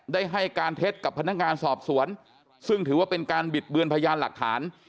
ได้ให้การเท็จกับพนักงานสอบสวนซึ่งถือว่าเป็นการบิดเบือนพยานหลักฐาน